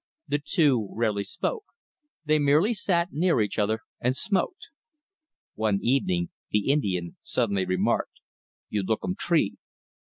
The two rarely spoke. They merely sat near each other, and smoked. One evening the Indian suddenly remarked: "You look 'um tree."